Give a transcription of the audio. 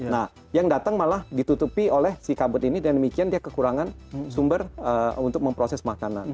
nah yang datang malah ditutupi oleh si kabut ini dan demikian dia kekurangan sumber untuk memproses makanan